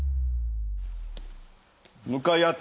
向かい合った時。